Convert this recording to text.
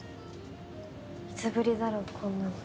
いつぶりだろこんなの。